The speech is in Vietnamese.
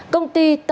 công ty tân tín đạt